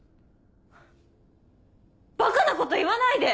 バカなこと言わないで！